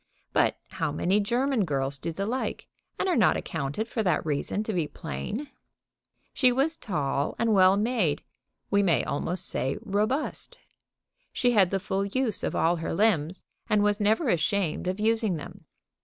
But how many German girls do the like, and are not accounted for that reason to be plain? She was tall and well made, we may almost say robust. She had the full use of all her limbs, and was never ashamed of using them.